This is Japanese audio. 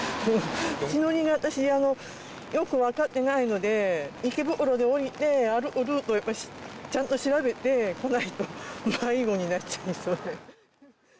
地の利が私、よく分かってないので、池袋で降りて、歩くルート、ちゃんと調べてこないと、迷子になっちゃいそうで。